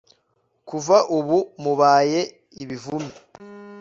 kuva ubu mubaye ibivume